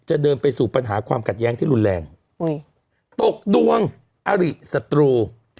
เดินไปสู่ปัญหาความขัดแย้งที่รุนแรงอุ้ยตกดวงอริสัตรู